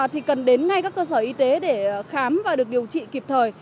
thì cần đến ngay các cơ sở y tế để khám và được điều trị kịp thời